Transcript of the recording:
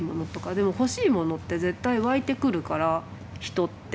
でも欲しいものって絶対湧いてくるから人って。